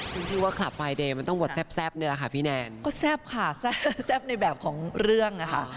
ซึ่งชื่อว่าคลับไฟเดย์มันต้องบทแซ่บนี่แหละค่ะพี่แนนก็แซ่บค่ะแซ่บแซ่บในแบบของเรื่องนะคะ